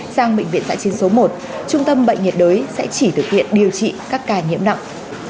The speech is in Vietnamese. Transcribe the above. sang bệnh viện giã chiến số một trung tâm bệnh nhiệt đới sẽ chỉ thực hiện điều trị các ca nhiễm nặng